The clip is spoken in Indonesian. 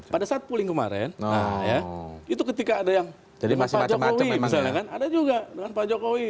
pada saat pooling kemarin itu ketika ada yang pak jokowi misalnya kan ada juga dengan pak jokowi